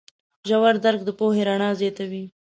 ژور درک د پوهې رڼا زیاتوي.